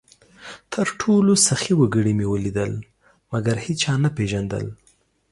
تر ټولو سخي وګړي مې ولیدل؛ مګر هېچا نه پېژندل،